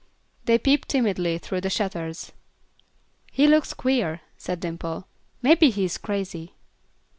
They peeped timidly through the shutters. "He looks queer," said Dimple, "maybe he is crazy."